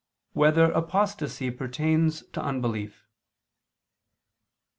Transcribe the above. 1] Whether Apostasy Pertains to Unbelief?